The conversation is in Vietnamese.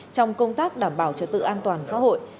trong công tác đảm bảo trợ tự an toàn xã hội